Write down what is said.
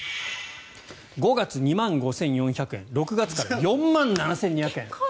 ５月、２万５４００円６月、４万７２００円。